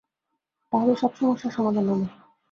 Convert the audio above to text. তাহলে সব সমস্যার সমাধান হবে।